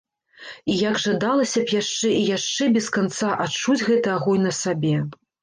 І як жадалася б яшчэ і яшчэ без канца адчуць гэты агонь на сабе.